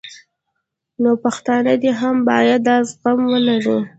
نو پښتانه دې هم بیا دا زغم ولري